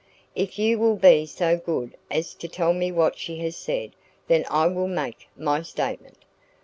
"If you will be so good as to tell me what she has said, then I will make MY statement."